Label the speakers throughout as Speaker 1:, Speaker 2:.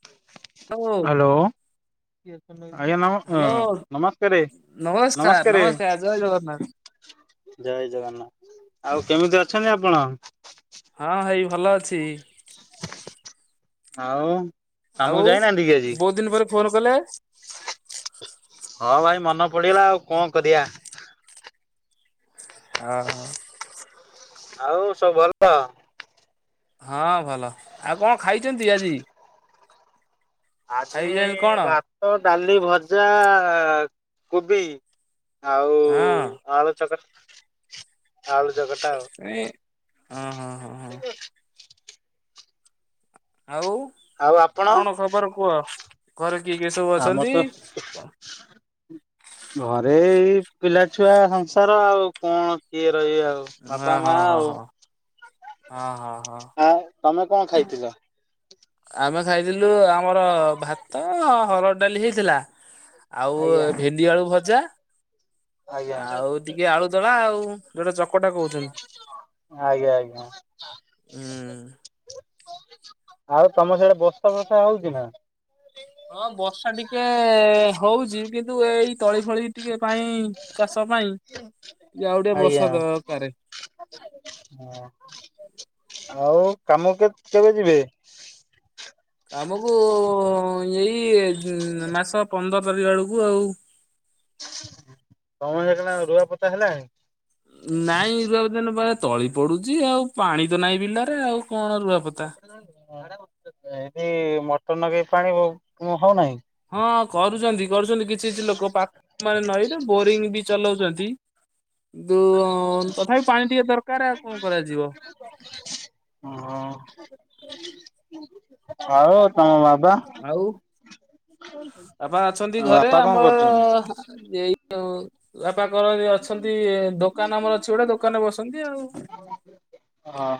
Speaker 1: Hello ଆଜ୍ଞା ନମ
Speaker 2: hello
Speaker 1: ନମସ୍କାରେ
Speaker 2: ନମସ୍କାର
Speaker 1: ନମସ୍କାରେ
Speaker 2: ନମସ୍କାର ଜୟ ଜଗନ୍ନାଥ।
Speaker 1: ଜୟ ଜଗନ୍ନାଥ ଆଉ କେମିତି ଅଛନ୍ତି ଆପଣ?
Speaker 2: ହଁ ଭାଇ ଭଲ ଅଛି।
Speaker 1: ଆଉ
Speaker 2: ଆଉ
Speaker 1: କାମକୁ ଯାଇନାହାନ୍ତି କି ଆଜି?
Speaker 2: ବହୁତ ଦିନ ପରେ ଫୋନ କଲେ
Speaker 1: ହଁ ଭାଇ ମନ ପଡିଗଲା ଆଉ କଣ କରିବା।
Speaker 2: ହଁ ହଁ
Speaker 1: ଆଉ ସବୁ ଭଲ
Speaker 2: ହଁ ଭଲ ଆଉ କଣ ଖାଇଛନ୍ତି ଆଜି?
Speaker 1: ଆଜି
Speaker 2: ଖାଇଲେଣି କଣ?
Speaker 1: ଭାତ ଭାତ ଡାଲି ଭଜା କୋବି ଆଉ
Speaker 2: ହଁ।
Speaker 1: ଆଳୁ ଚକଟ ଆଳୁ ଚକଟା ଆଉ
Speaker 2: ଏ ହ ହଁ ହଁ ହଁ। ଆଉ
Speaker 1: ଆଉ ଆପଣ?
Speaker 2: କଣ ଖବର କୁହ ଘରେ କିଏ କିଏ ସବୁ ଅଛନ୍ତି?
Speaker 1: ହ ହ ଘରେ ଏଇ ପିଲାଛୁଆ ସଂସାର ଆଉ କଣ କିଏ ରହିବେ ଆଉ?
Speaker 2: ହଁ
Speaker 1: ବାପା ମା
Speaker 2: ହଁ ହଁ
Speaker 1: ଆଉ
Speaker 2: ହଁ ହଁ ହଁ ହଁ।
Speaker 1: ଆ ତମେ କଣ ଖାଇଥିଲ?
Speaker 2: ଆମେ ଖାଇଥିଲୁ ଆମର ଭାତ ହରଡ଼ ଡାଲି ହେଇଥିଲା। ଆଉ
Speaker 1: ଆଜ୍ଞା
Speaker 2: ଭେଣ୍ଡି ଆଳୁ ଭଜା।
Speaker 1: ଆଜ୍ଞା।
Speaker 2: ଆଉ ଟିକେ ଆଳୁଦଳା ଆଉ ଯୋଉଟା ଚକଟା କହୁଛନ୍ତି।
Speaker 1: ଆଜ୍ଞା ଆଜ୍ଞା।
Speaker 2: ହୁଁ।
Speaker 1: ଆଉ ତମ ସେଆଡ଼େ ବସା ଫସା ହଉଛି ନା?
Speaker 2: ହଁ ବର୍ଷା ଟିକେ ହଉଚି କିନ୍ତୁ ଏଇ ତଳି ଫଳି ଟିକେ ପାଇଁ ଚାଷ ପାଇଁ ଟିକେ ଆଉ ଟିକେ ବର୍ଷା ଦରକାର।
Speaker 1: ଅହ। ଆଉ କାମ କେ କେବେ ଯିବେ?
Speaker 2: କାମକୁ ଏଇ ମାସ ପନ୍ଦର ତାରିଖ ବେଳକୁ ଆଉ
Speaker 1: ତମର ସେଆଡ଼େ ରୁଆ ପୋତା ହେଲାଣି?
Speaker 2: ନାଇଁ ରୁଆପୋତା ପା ତଳି ପଡୁଛି ଆଉ ପାଣି ତ ନାହିଁ ବିଲରେ ଆଉ କଣ ରୁଆ
Speaker 1: ଏଠି ମଟର ନଗେଇ ପାଣି ହଉନାହିଁ।
Speaker 2: ହଁ କରୁଛନ୍ତି କରୁଛନ୍ତି କିଛି କିଛି ଲୋକ ପାଖ ମାନେ ନଈ ବୋରିଂ ବି ଚଲାଉଛନ୍ତି। କିନ୍ତୁ ତଥାପି ପାଣି ଟିକେ ଦରକାର ଆଉ କଣ କରାଯିବ?
Speaker 1: ଓ ହଁ ଆଉ ତମ ବାବା?
Speaker 2: ଆଉ ବାପା ଅଛନ୍ତି ଘରେ,
Speaker 1: ବାପା କଣ
Speaker 2: ଆମର
Speaker 1: କରୁଛନ୍ତି?
Speaker 2: [inaudible] ବାପା କର ଅଛନ୍ତି ଦୋକାନ ଆମର ଅଛି ଗୋଟେ ଦୋକାନରେ ବସନ୍ତି ଆଉ।
Speaker 1: ଓହୋ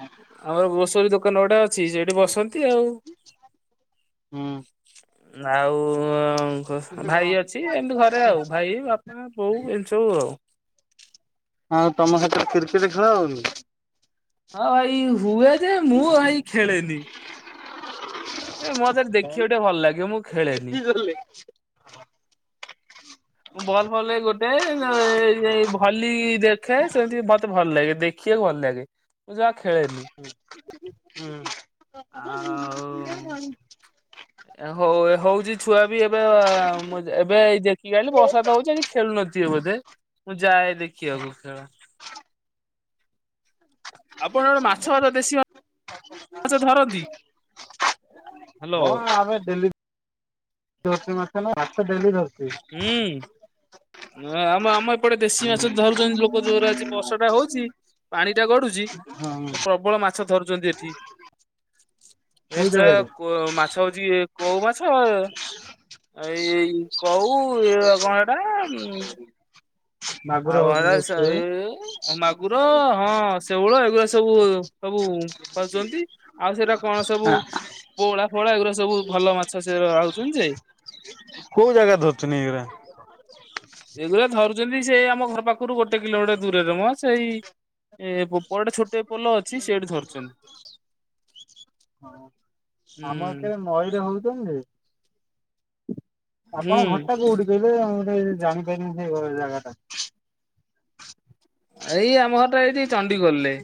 Speaker 2: ଆମର ଗ୍ରୋସରୀ ଦୋକାନ ଗୋଟେ ଅଛି ସେଠି ବସନ୍ତି ଆଉ।
Speaker 1: ହୁଁ।
Speaker 2: ଆଉ ଭାଇ ଅଛି ଏମତି ଘରେ ଆଉ ଭାଇ ବାପଣ ହ ବଉ ଜିନିଷ ଆଉ।
Speaker 1: ହଉ ତମ ସାଥିରେ କ୍ରିକେଟ ଖେଳ ହଉଛି।
Speaker 2: ହଁ ଭାଇ ହୁଏ ଯେ ମୁଁ ଭାଇ ଖେଳେନି। ଏଇ ମୋତେ ଦେଖିବା ଟିକେ ଭଲ ଲାଗେ ମୁଁ ଖେଳେନି। ମୁଁ ବଲ୍ ଫଲ ଗୋଟେ ଭଲି ଦେଖେ ସେମିତି ମତେ ଭଲ ଲାଗେ ଦେଖେ। ଦେଖିବାକୁ ଭଲ ଲାଗେ। ମୁଁ ଜମା ଖେଳେନି
Speaker 1: ହୁଁ ହୁଁ।
Speaker 2: ଆଉ? ହଉ ହଉଛି ଛୁଆ ବି ଏବେ ଏବେ ଦେଖିକି ଆଣିଲି ବର୍ଷା ତ ହଉଛି କି ଖେଳୁ ନଥିବେ ବୋଧେ ମୁଁ ଯାଏ ଦେଖିବାକୁ ଖେଳ। ଆପଣ ଗୋଟେ ମାଛ ଭ ଦେଶୀ ମା ମାଛ ଧରନ୍ତି। ହ୍ୟାଲୋ
Speaker 1: ହଁ ଆମେ ଡେଲି ମାଛ ନା ମାଛ ଡେଲି ଧରୁଛି।
Speaker 2: ହୁଁ ଆମ ଆମ ଏପଟେ ଦେଶୀ ମାଛ ଧରୁଛନ୍ତି ଲୋକ ଜୋର ଆଜି ବର୍ଷା ଟା ହଉଛି ପାଣି ଟା ଗଡୁଛି
Speaker 1: ହଁ
Speaker 2: ପ୍ରବଳ ମାଛ ଧରୁଛନ୍ତି ଏଠି
Speaker 1: କୋଉ
Speaker 2: ଏସ
Speaker 1: ଜାଗାରେ?
Speaker 2: ମାଛ ହଉଛି କଉ ମାଛ ଏଇ କଉ କଣ ଏଟା
Speaker 1: ମାଗୁର
Speaker 2: ଆଉ
Speaker 1: ହଉଛି
Speaker 2: ଭଡ
Speaker 1: ଯୋଉ
Speaker 2: ଏଇ ମାଗୁର, ହଁ ଶେଉଳ, ଏଗୁଡା ସବୁ ସବୁ କରଜଛନ୍ତି ଆଉ ସେଇଟା କଣ ସବୁ ପୋହୋଡା ଫୋହୋଳା ଏଗୁଡା ସବୁ ଭଲ ମାଛ ସେ ଆଉଛନ୍ତି ଯେ
Speaker 1: କୋଉ ଜାଗାରେ ଧରୁଚନ୍ତି ଏଇଗୁରା?
Speaker 2: ଏଗୁରା ଧରୁଛନ୍ତି ସେଇ ଆମ ଘର ପାଖରୁ ଗୋଟେ କିଲୋମିଟର ଦୂରରେ ମ ସେଇ ଏ ପରଟେ ଛୋଟେ ପୋଲ ଅଛି ସେଇଠି ଧରୁଛନ୍ତି।
Speaker 1: ହଁ, ଆମର ତ
Speaker 2: ହୁଁ
Speaker 1: ନଈରେ ହଉଛନ୍ତି
Speaker 2: ହୁଁ
Speaker 1: ଆପଣଙ୍କ ଘରଟା କୋଉଠି? ଆଉ ଗେ ଜାଣିପାରିନି ସେଇ ଜାଗା ଟା
Speaker 2: ଏଇ ଆମ ଘରଟା ଏଇଠି ଚଣ୍ଡୀଖୋଲରେ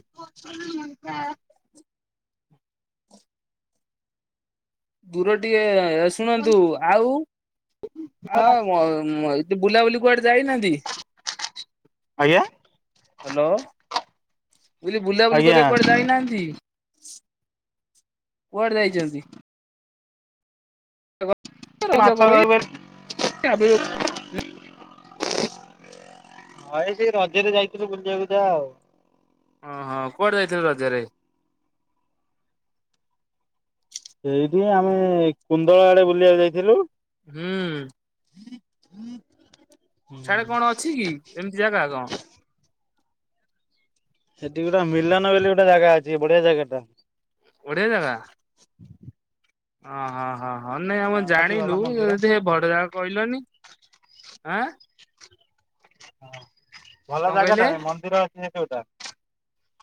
Speaker 2: ଦୂର ଟିକେ ଶୁଣନ୍ତୁ ଆଉ ଆଉ ବୁଲାବୁଲି କୁଆଡେ ଯାଇନାହାନ୍ତି?
Speaker 1: ଆଜ୍ଞା?
Speaker 2: ହ୍ୟାଲୋ ମୁଁ କହିଲି ବୁଲାବୁଲି
Speaker 1: ଆଜ୍ଞା
Speaker 2: କରିବାକୁ କୁଆଡେ ଯାଇନାହାନ୍ତି କୁଆଡେ ଯାଇଛନ୍ତି? ରଜ
Speaker 1: ମାଛ
Speaker 2: ପରେ
Speaker 1: ଧରିବେ ହଁ ଏଇ ସେଇ ରଜରେ ଯାଇଥିଲୁ ବୁଲିବାକୁ ତ ଆଉ
Speaker 2: ଓହୋ କୁଆଦେବଯାଇଥିଲ ରଜରେ?
Speaker 1: ସେଇଠି ଆମେ କୁନ୍ଦଳ ଆଡେ ବୁଲିବାକୁ ଯାଇଥିଲୁ
Speaker 2: ହୁଁ।
Speaker 1: ହୁଁ ହୁଁ।
Speaker 2: ସିଆଡ଼େ କଣ ଅଛି କି ଏମିତି ଜାଗା କଣ?
Speaker 1: ସେଠି ଗୋଟେ ମିଲନ ବୋଲି ଗୋଟେ ଜାଗା ଅଛି ବଢିଆ ଜାଗା ଟା
Speaker 2: ବଢ଼ିଆ ଜାଗା? ଓହଁ ହଁ ହଁ ନାଇଁ ଆମ
Speaker 1: ଅଛି ଭଲ
Speaker 2: ଜାଣିଲୁ
Speaker 1: ମନ୍ଦିର
Speaker 2: ଯଦି ଭରଦା କହିଲନି ଆଁ
Speaker 1: ହ ଭଲ
Speaker 2: କଣ
Speaker 1: ଜାଗା ଟା
Speaker 2: କହିଲେ
Speaker 1: ନାଇଁ ମନ୍ଦିର ଅଛି ସେ ଯଉଟା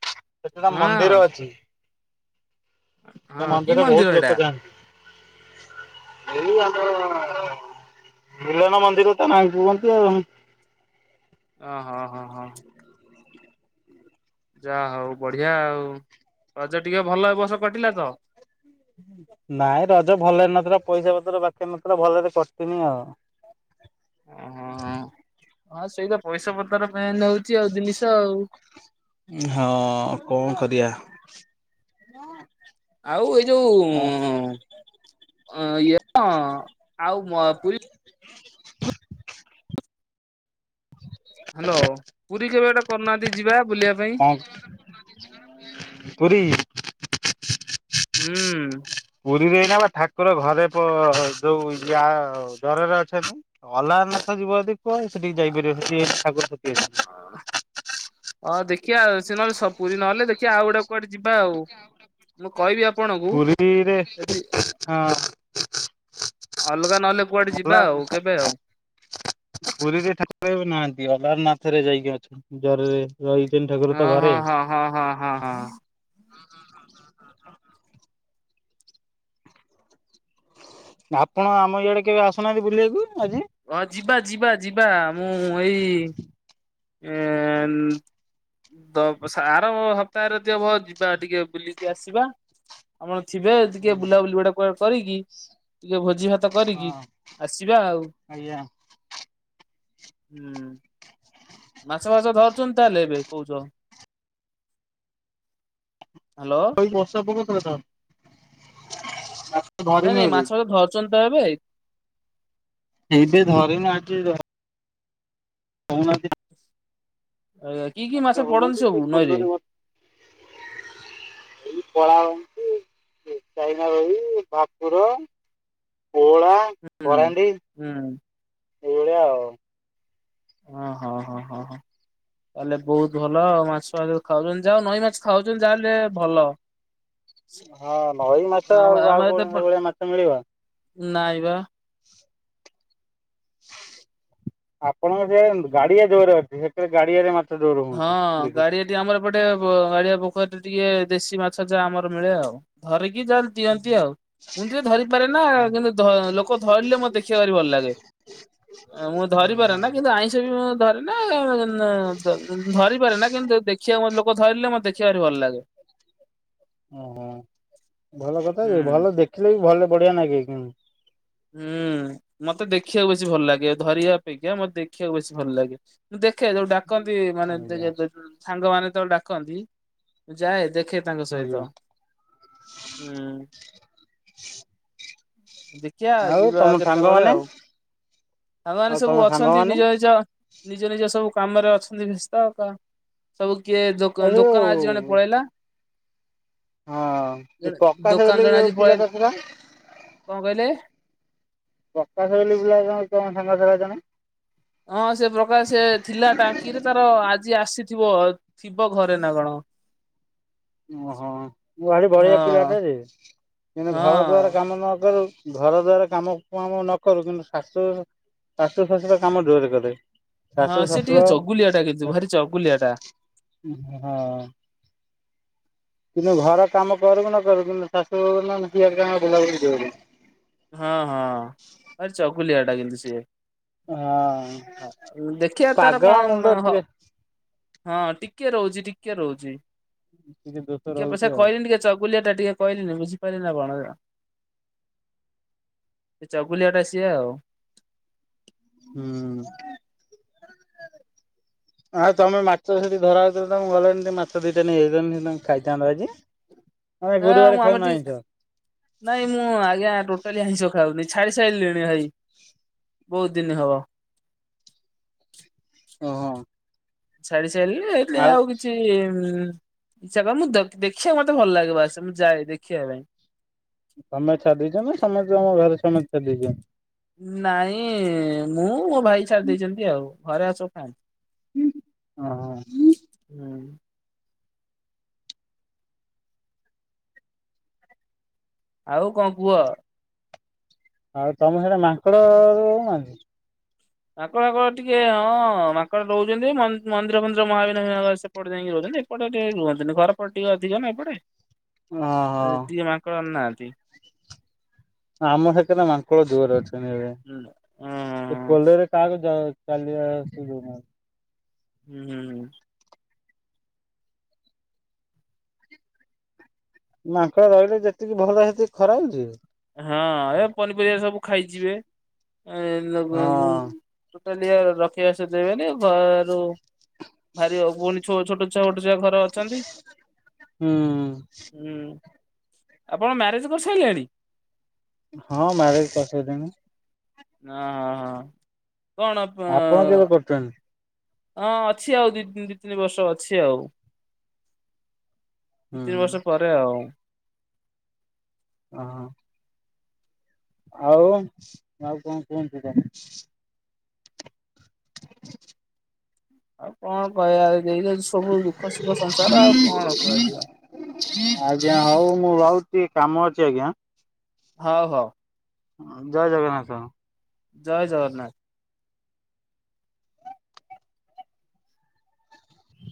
Speaker 1: ସେଠି ଗୋଟେ
Speaker 2: ହଁ
Speaker 1: ମନ୍ଦିର ଅଛି ସେ
Speaker 2: ହଁ କି
Speaker 1: ମନ୍ଦିରରେ
Speaker 2: ମନ୍ଦିର
Speaker 1: ବହୁତ
Speaker 2: ଏଇଟା
Speaker 1: ଲୋକ ଯାଆନ୍ତି। ଏ ଆମର ମିଲନ ମନ୍ଦିର ତ ନା କୁହନ୍ତି ଆଉ
Speaker 2: ଓହୋ ହଁ ହଁ ହଁ। ଯାହା ହଉ ବଢିଆ ଆଉ ରଜ ଟିକେ ଭଲ ଏ ବର୍ଷ କଟିଲା ତ?
Speaker 1: ନାଇଁ ରଜ ଭଲରେ ନଥିଲା ପଇସା ପତ୍ର ପାଖରେ ନଥିଲା ଭଲରେ କଟିନି ଆଉ
Speaker 2: ଓହୋ ହଁ ସେଇଟା ପଇସା ପତର ମେନ୍ ହଉଛି ଆଉ ଜିନିଷ ଆଉ
Speaker 1: ହଁ କଣ କରିବା?
Speaker 2: ଆଉ ଏଇ ଯୋଉ
Speaker 1: ଓ
Speaker 2: ଇଏ ଆଉ ପୁ ହ୍ୟାଲୋ ପୁରୀ କେବେ ଗୋଟେ କରୁନାହାନ୍ତି ଯିବା ବୁଲିବା ପାଇଁ?
Speaker 1: ହ ପୁରୀ
Speaker 2: ହୁଁ।
Speaker 1: ପୁରୀରେ ଏଇନା ବା ଠାକୁର ଘରେ ପ ଯୋଉ ଇୟା ଜରରେ ଅଛନ୍ତି। ଅଳରନ୍ନାଥ ଯିବ ଯଦି କୁହ ସେଠିକି ଯାଇପାରିବ ସେଠି [unintelligible]
Speaker 2: ହଁ ଦେଖିବା ସେ ନହଲେ ସ ପୁରୀ ନହେଲେ ଦେଖିବା ଆଉ ଗୋଟେ କୁଆଡେ ଯିବା ଆଉ ମୁଁ କହିବି ଆପଣଙ୍କୁ
Speaker 1: ପୁରୀରେ
Speaker 2: ଯଦି
Speaker 1: ହଁ।
Speaker 2: ଅଲଗା ନହେଲେ କୁଆଡେ ଯିବା
Speaker 1: ଅଲା
Speaker 2: ଆଉ କେବେ ଆଉ
Speaker 1: ପୁରୀରେ ଠାକୁରଏବେ ନାହାନ୍ତି ଅଲାରନ୍ନାଥ ରେ ଯାଇକି ଅଛନ୍ତି ଜରରେ ରହିଛନ୍ତି ଠାକୁର ତ
Speaker 2: ହଁ ହଁ
Speaker 1: ଘରେ
Speaker 2: ହଁ ହଁ ହଁ ହଁ ହଁ।
Speaker 1: ଆପଣ ଆମ ଇଆଡେ କେବେ ଆସୁନାହାନ୍ତି ବୁଲିବାକୁ ଆଜି?
Speaker 2: ହଁ ଯିବା ଯିବା ଯିବା ମୁଁ ଏଇ ଏ ତ ସାର ହପ୍ତାହରେ ଯଦି ହବ ଯିବା ଟିକେ ବୁଲିକି ଆସିବା। ଆପଣ ଥିବେ
Speaker 1: ହଁ
Speaker 2: ଟିକେ ବୁଲାବୁଲି ଗୋଟା କୁଆଡେ କରିକି ଟିକେ ଭୋଜି ଭାତ କରିକି ଆସିବା ଆଉ।
Speaker 1: ଆଜ୍ଞା
Speaker 2: ହୁଁ। ମାଛ ଫାଛ ଧରୁଚଛନ୍ତି ତାହେଲେ ଏବେ କହୁଚ। ହ୍ୟାଲୋ।
Speaker 1: କହିଲି ବର୍ଷା ପକଉଥିଲା ନା?
Speaker 2: ନାଇଁ ନାଇଁ ମାଛ [unintelligible] ଧରୁଚନ୍ତି ତ ଏବେ?
Speaker 1: ଏବେ ଧରିନୁ ଆଜି ଧ [unintelligible]
Speaker 2: ଆଜ୍ଞା କି କି ମାଛ ପଡନ୍ତି
Speaker 1: ହଉନାହାନ୍ତି ସେ
Speaker 2: ସବୁ ନଈରେ?
Speaker 1: [unintelligible] ଚାଇନା ରୋହି, ଭାକୁର, ପୋହଳା।
Speaker 2: ହୁଁ
Speaker 1: କରାଣ୍ଡି
Speaker 2: ହୁଁ
Speaker 1: ଏଇଭଳିଆ ଆଉ।
Speaker 2: ହଁ ହଁ ହଁ ହଁ ହଁ। ତାହେଲେ ବହୁତ ଭଲ ଆଉ ମାଛ ମା ଖାଉଚନ୍ତି ଯା ହଉ ନଈ ମାଛ ଖାଉଚନ୍ତି ଯାହେଲେ ଭଲ।
Speaker 1: ହଁ ନଈ ମାଛ
Speaker 2: ଆମ
Speaker 1: ଆଉ ଆଉ
Speaker 2: ଆମର ତ
Speaker 1: କଣ
Speaker 2: ଏପ-
Speaker 1: ସେଇ ଭଳିଆ ମାଛ ମିଳିବ।
Speaker 2: ନାଇଁ ବା।
Speaker 1: ଆପଣଙ୍କ ସେ ଗାଡିଆ ଜୋରରେ ଅଛି ହେଟେ ଗାଡିଆରେ ମା
Speaker 2: ହଁ ଗାଡି ଏଟି ଆମର ଗୋଟେ ବ ଗାଡିଆ ପୋଖରୀରେ ଟିକେ ଦେଶୀ ମାଛ ଯା ଆମର ମିଳେ ଆଉ ଧରିକି ଯା ଦିଅନ୍ତି ଆଉ ମୁଁତି ଧରିପାରେ ନା କିନ୍ତୁ ଧ ଲୋକ ଧରିଲେ ମତ ଦେଖିବାକୁ ଭାରି ଭଲ ଲାଗେ। ଆ ମୁଁ ଧରି ପାରେ ନା କିନ୍ତୁ ଆଇଁଷ ବି ମୁଁ ଧରେ ନା। ଧରିପାରେ ନା କିନ୍ତୁ ଦେଖିବାକୁ ମତେ ଲୋକ ଧରିଲେ ମୋତେ ଦେଖିବାକୁ ଭାରି ଭଲ ଲାଗେ।
Speaker 1: ଓହୋ ଭଲ କଥା
Speaker 2: ହୁଁ
Speaker 1: ଭଲ ଦେଖିଲେ ବି ଭଲ ବଢିଆ ନଗେ ଙ୍କୁ
Speaker 2: ହୁଁ ମତେ ଦେଖିବାକୁ ବେଶୀ ଭଲ ଲାଗେ ଧରିବା ଅପେକ୍ଷା ମତେ ଦେଖିବାକୁ ବେଶୀ ଭଲ ଲାଗେ। ମୁଁ ଦେଖେ ଯୋଉ ଡାକନ୍ତି ମାନେ
Speaker 1: ଆଜ୍ଞା
Speaker 2: [unintelligible] ସାଙ୍ଗମାନୋନ ତୋଳେ ଡାକନ୍ତି ମୁଁ ଯାଏ ଦେଖେ ତାଙ୍କ
Speaker 1: ଆଜ୍ଞା
Speaker 2: ସହିତ। ହୁଁ। ଖିଆ
Speaker 1: ଆଉ
Speaker 2: ଯିବା
Speaker 1: ତମ
Speaker 2: କେତବେଳେ
Speaker 1: ସାଙ୍ଗମାନେ
Speaker 2: ଆଉ ସାଙ୍ଗମାନେ
Speaker 1: ଆଉ
Speaker 2: ସବୁ
Speaker 1: ତମ
Speaker 2: ଅଛନ୍ତି
Speaker 1: ସାଙ୍ଗମାନେ
Speaker 2: ନିଜ ନିଜ ନିଜ ନିଜ ସବୁ କାମରେ ଅଛନ୍ତି ଭିସ୍ତ ସବୁ କିଏ
Speaker 1: ଏ
Speaker 2: ଦୋକ ଦୋକାନ ଆଜି ଜଣେ
Speaker 1: ଯୋଉ
Speaker 2: ପଳେଇଲା।
Speaker 1: ହଁ ଯୋଉ ପ୍ରକାଶ
Speaker 2: ଦୋକାନ
Speaker 1: ବୋଲି
Speaker 2: ଜଣେ ଆଜି
Speaker 1: ଯୋଉ ପିଲା
Speaker 2: ପଳେଇ
Speaker 1: ଟା ଥିଲା?
Speaker 2: କଣ କହିଲେ?
Speaker 1: ପ୍ରକାଶ ବୋଲି ପିଲା ଜଣେ ସାଙ୍ଗ ଥିଲା ଜଣେ?
Speaker 2: ହଁ ସେ ପ୍ରକାର ସେ ଥିଲା ଟାଙ୍କିରେ ତାର ଆଜି ଆସିଥିବ। ଥିବ ଘରେ ନା କଣ?
Speaker 1: [inaudible] ଓହୋ ମୁଁ ଭାବିଲି ବଢିଆ
Speaker 2: ହଁ
Speaker 1: ପିଲାଟା ଯେ କିନ୍ତୁ ଘର ଦ୍ଵାର
Speaker 2: ହଁ
Speaker 1: କାମ ନ କରୁ ଘର ଦ୍ଵାର କାମ ନ କରୁ କିନ୍ତୁ ଶାଶୁ, ଶାଶୁ ଶାଶୁର କାମ ଜୋରେ କରେ।
Speaker 2: ହଁ
Speaker 1: ଶାଶୁ
Speaker 2: ସେ ଟିକେ
Speaker 1: ଶାଶୁର,
Speaker 2: ଚଗୁଲିଆ ଟା କିନ୍ତୁ ଭାରି ଚଗୁଲିଆ ଟା
Speaker 1: ହଁ। କିନ୍ତୁ ଘର କାମ କରୁ ନ କରୁ କିନ୍ତୁ ଶାଶୁୁ ସିଏ [unintelligible]
Speaker 2: ହଁ ହଁ। ଭାରି ଚକୁଲିଆ ଟା କିନ୍ତୁ ସିଏ।
Speaker 1: ହଁ
Speaker 2: ଦେଖିବା ତାର
Speaker 1: ପାଗଳ ମୁଣ୍ଡ
Speaker 2: କଣ ହଁ
Speaker 1: ଟିକେ
Speaker 2: ହଁ ଟିକେ ରହୁଛି, ଟିକେ ରହୁଛି,
Speaker 1: ଦୋଷ
Speaker 2: ଟିକେ
Speaker 1: ରହୁଛି
Speaker 2: ପଇସା
Speaker 1: ଆଉ
Speaker 2: ଖହିଲେଣି ଟିକେ ଚ ବୁଲିଆ ଟା ଟିକେ କହିଲି ବୁଝି ପାରିଲି ନା [unintelligible] ସେ ଚଗୁଲିଆ ଟା ସିଏ ଆଉ।
Speaker 1: ହୁଁ। ଆଁ ତମେ ମାଛ ସେଠି ଧରା ହଉଥିଲା ତମକୁ ଗଲେଣି ମାଛ ଦିଟା ନେଇ ଆସିଥାନ୍ତ ଖାଇଥାନ୍ତ ଆଜି। ହ
Speaker 2: ହଁ ମୁଁ ଆମେ ଟିକେ, ନାଇଁ ମୁଁ ଆଜ୍ଞା ଟୋଟା ଟାଲି ଆଇଁଷ ଖାଉନି ଛାଡି ସାରିଲିଣି ଭାଇ, ବୋହୁତ୍ ଦିନ୍ ହବ।
Speaker 1: ଓହୋ।
Speaker 2: ଛାଡ଼ି ସାରିଲିଣି ଏଇଥି ଲାଗି ଆଉ କିଛି ଇଛା ମୁଁ ଦେଖିବାକୁ ମତେ ଭଲ ଲାଗେ ବା ସ୍ ଆସ ମୁଁ ଯାଏ ଦେଖିବା ପାଇଁ।
Speaker 1: ତମେ ଛାଡିଦେଇଛ ନା ସମସ୍ତେ ତମ ଘରେ ସମସ୍ତେ ଛାଡି ଦେଇଛନ୍ତି?
Speaker 2: ନାଇଁ ମୁଁ ମୋ ଭାଇ ଛାଡି ଦେଇେଇଛନ୍ତି ଆଉ। ଘରେ ଆଉ ସବୁ ଖାନ୍ତି।
Speaker 1: ଓହୋ।
Speaker 2: ହୁଁ। ଆଉ କଣ କୁହ?
Speaker 1: ଆଉ ତମ ସିଆଡେ ମାଙ୍କଡ ରହୁ ନାହାନ୍ତି?
Speaker 2: ମାଙ୍କଡ଼ଙ୍କଡ଼ ଟିକେ ହଁ ମାଙ୍କଡ ରହୁଛନ୍ତି ମନ୍ଦିର ମନ୍ଦିର ମହାବିନାୟକ ଏପଟେ ଯାଇକି ରହଛନ୍ତି ଏପଟେ ଟିକେ ରୁହନ୍ତିନି ଘର ପଟ ଟିକେ ଅଧିକ ନା ଏପଟେ।
Speaker 1: ଓହୋ।
Speaker 2: ଟିକେ ମା କରି ନାହାନ୍ତି।
Speaker 1: ଆମ ସେ କରେ ମାଙ୍କଳ ଜୋରେ ଅଛନ୍ତି ଏବେ।
Speaker 2: ହୁଁ।
Speaker 1: ତ ପୋଲରେ କାହାକୁ ଚାଲି ଆସ ଦୋଉନାହାନ୍ତି।
Speaker 2: ହୁଁ ହୁଁ ହୁଁ।
Speaker 1: ମାଙ୍କଡ଼ ରହିଲେ ଯେତିକି ଭଲ ସେତିକି ଖରାପ ଯେ।
Speaker 2: ହଁ ଏ ପନିପରିବା ସବୁ ଖାଇଯିବେ
Speaker 1: ହଁ।
Speaker 2: [unintelligible] ଟୋଟାଲି ରଖିବାସ ଦେବେନି, ଘରୁ ଭାରି ପୁଣି ଛୋ ଛୋଟ ଛ ଗୋଟେ ଯ ଘର ଅଛନ୍ତି
Speaker 1: ହୁଁ
Speaker 2: ହୁଁ। ଆପଣ ମ୍ୟାରେଜ କରିସାରିଲେଣି?
Speaker 1: ହଁ ମ୍ୟାରେଜ କରି ସାରିଲିଣି।
Speaker 2: ହ ହଁ ହଁ କଣ ପ
Speaker 1: ଆପଣ କେବେ କରୁଛନ୍ତି?
Speaker 2: ହଁ ଅଛି ଆଉ ଦି ଦି ତିନି ବର୍ଷ ଅଛି ଆଉ। ଦି
Speaker 1: ହୁଁ
Speaker 2: ତିନି ବର୍ଷ ପରେ ଆଉ।
Speaker 1: ଅହ। ଆଉ ଆଉ କଣ କୁହନ୍ତୁ କଣ? [unintelligible]
Speaker 2: ଆଉ କଣ କହିବା ଏଇତ ସବୁ ଦୁଃଖ ସୁଖ ସଂସାର ଆଉ କଣ କୁହାଯିବ।
Speaker 1: ଆଜ୍ଞା ହଉ ମୁଁ ରହୁଚି କାମ ଅଛି ଆଜ୍ଞା।
Speaker 2: ହଉ ହଉ।
Speaker 1: ଜୟ ଜଗନ୍ନାଥ।
Speaker 2: ଜୟ ଜଗନ୍ନାଥ।